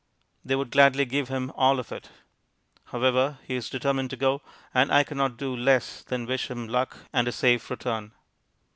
They would gladly give him all of it. However, he is determined to go, and I cannot do less than wish him luck and a safe return.